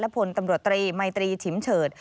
พลตำรวจตรีมัยตรีฉิมเฉิด